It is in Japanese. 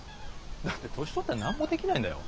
だって年取ったら何もできないんだよ。